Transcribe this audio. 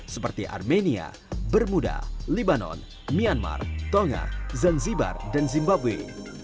seperti armenia bermuda libanon myanmar tonga zanzibar dan zimbabwe